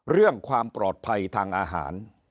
เรื่องความปลอดภัยทางอาหาร